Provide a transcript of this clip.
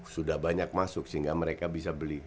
sudah banyak masuk sehingga mereka bisa beli